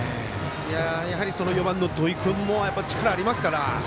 やはり４番の土井君も力ありますから。